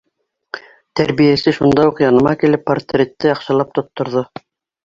Тәрбиәсе шунда уҡ яныма килеп, портретты яҡшылап тотторҙо: